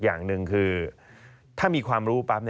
อย่างหนึ่งคือถ้ามีความรู้ปั๊บ